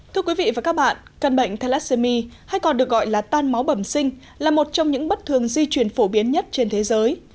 thưa quý vị và các bạn căn bệnh thalassemy hay còn được gọi là tan máu bẩm sinh là một trong những bất thường di chuyển phổ biến nhất trên thế giới